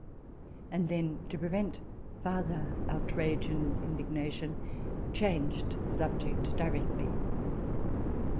* ^d then, to pre vent furUier outrage and indignatk>n, changed the subject directly.